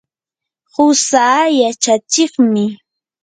qusaa yachachiqmi.